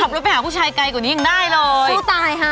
รถไปหาผู้ชายไกลกว่านี้ยังได้เลยผู้ตายค่ะ